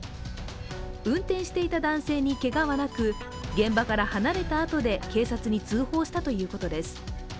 運転していた男性にけがはなく、現場から離れたあとで警察に通報したということです。